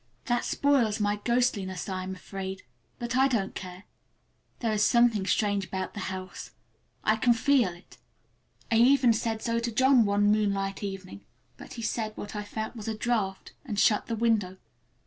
That spoils my ghostliness, I am afraid; but I don't care—there is something strange about the house—I can feel it. I even said so to John one moonlight evening, but he said what I felt was a draught, and shut the window.